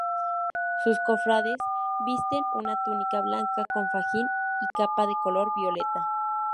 Sus cofrades visten una túnica blanca con fajín y capa de color violeta.